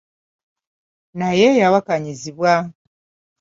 Naye yawakanyizibwa.